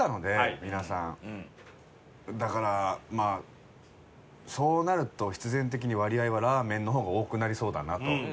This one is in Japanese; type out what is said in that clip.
だからまあそうなると必然的に割合はらーめんの方が多くなりそうだなと。